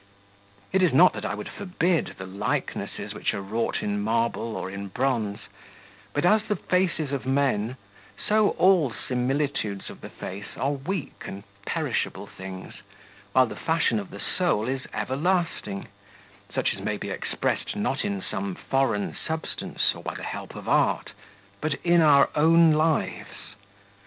It is not that I would forbid the likenesses which are wrought in marble or in bronze; but as the faces of men, so all similitudes of the face are weak and perishable things, while the fashion of the soul is everlasting, such as may be expressed not in some foreign substance, or by the help of art, but in our own lives.